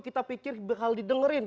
kita pikir bakal didengerin